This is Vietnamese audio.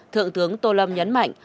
thượng tướng tô lâm nhấn mạnh